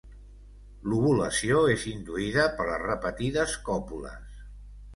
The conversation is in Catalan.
L'ovulació és induïda per les repetides còpules.